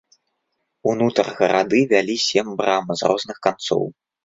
Унутр гарады вялі сем брам з розных канцоў.